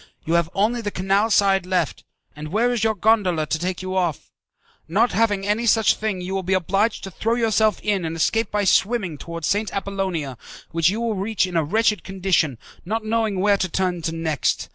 You have only the canal side left, and where is your gondola to take you off? Not having any such thing, you will be obliged to throw yourself in and escape by swimming towards St. Appollonia, which you will reach in a wretched condition, not knowing where to turn to next.